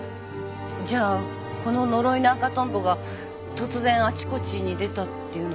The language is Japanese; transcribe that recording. じゃあこの呪いの赤トンボが突然あちこちに出たっていうのは。